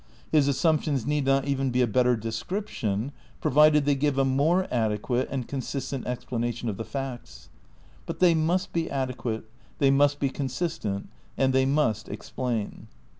His assumptions need not even be a better description, provided they give a more adequate and consistent ex planation of the facts. But they must be adequate, they must be consistent, and they must explain.